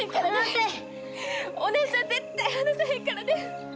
お姉ちゃん絶対離さへんからね！